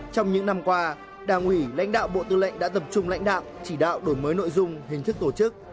trong những năm qua đảng ủy lãnh đạo bộ tư lệnh đã tập trung lãnh đạo chỉ đạo đổi mới nội dung hình thức tổ chức